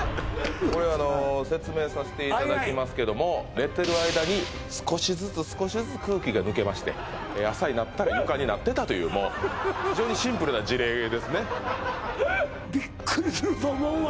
これあの説明させていただきますけども寝てる間に少しずつ少しずつ空気が抜けまして朝になったら床になってたという非常にシンプルな事例ですね